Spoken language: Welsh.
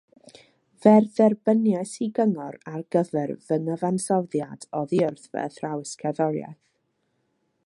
Fe dderbyniais gyngor ar gyfer fy nghyfansoddiad oddi wrth fy athrawes cerddoriaeth